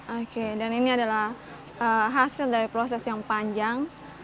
oke dan ini adalah hasil dari proses yang panjang